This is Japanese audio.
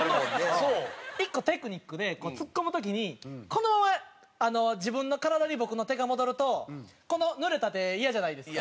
１個テクニックでツッコむ時にこのまま自分の体に僕の手が戻るとこのぬれた手イヤじゃないですか。